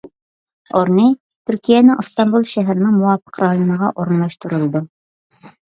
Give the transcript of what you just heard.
ئورنى: تۈركىيەنىڭ ئىستانبۇل شەھىرىنىڭ مۇۋاپىق رايونىغا ئورۇنلاشتۇرۇلىدۇ.